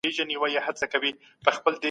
اقتصادي همکاري ټولنه پیاوړې کوي.